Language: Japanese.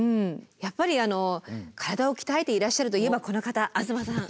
やっぱりあの体を鍛えていらっしゃるといえばこの方東さん。